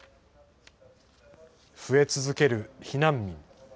増え続ける避難民。